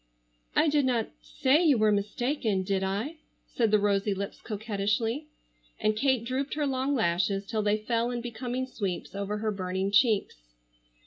"I did not say you were mistaken, did I?" said the rosy lips coquettishly, and Kate drooped her long lashes till they fell in becoming sweeps over her burning cheeks.